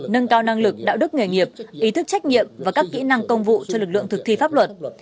nâng cao năng lực đạo đức nghề nghiệp ý thức trách nhiệm và các kỹ năng công vụ cho lực lượng thực thi pháp luật